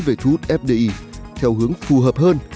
về thu hút fdi theo hướng phù hợp hơn